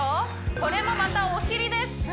これもまたお尻です何？